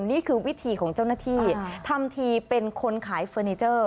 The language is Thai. นี่คือวิธีของเจ้าหน้าที่ทำทีเป็นคนขายเฟอร์นิเจอร์